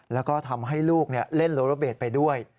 แล้วก็ทำให้ลูกเล่นโลโรเบสไปด้วย